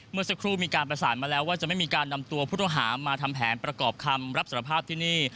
เมื่อสักครู่มีการประสานมาแล้วว่าจะไม่มีการนำตัวผู้ต้องหามาทำแผนประกอบคำรับสารภาพที่นี่